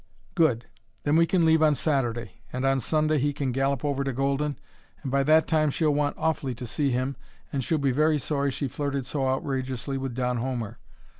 "Good! Then we can leave on Saturday, and on Sunday he can gallop over to Golden, and by that time she'll want awfully to see him and she'll be very sorry she flirted so outrageously with Don Homer.